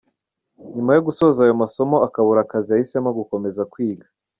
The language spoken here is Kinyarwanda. Nyuma yo gusoza ayo masomo akabura akazi yahisemo gukomeza kwiga.